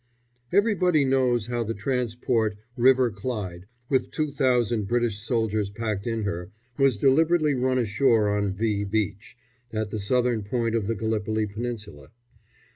] Everybody knows how the transport River Clyde, with two thousand British soldiers packed in her, was deliberately run ashore on V Beach, at the southern point of the Gallipoli Peninsula.